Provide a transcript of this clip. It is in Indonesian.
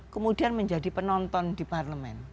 kemudian menjadi penonton di parlemen